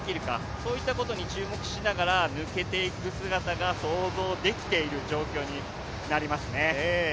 そういったことに注目しながら抜けていく姿が想像できている状況になりますね。